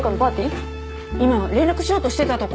今連絡しようとしてたとこ。